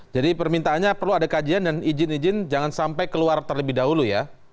jadi permintaannya perlu ada kajian dan izin izin jangan sampai keluar terlebih dahulu ya